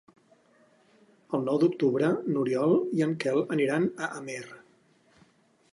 El nou d'octubre n'Oriol i en Quel aniran a Amer.